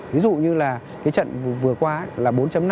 ví dụ như là cái trận vừa qua là bốn năm